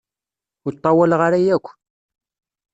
Ur ṭṭawaleɣ ara yakk.